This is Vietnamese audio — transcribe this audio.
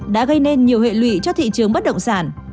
đã gây nên nhiều hệ lụy cho thị trường bất động sản